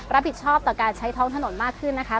รับผิดชอบต่อการใช้ท้องถนนมากขึ้นนะคะ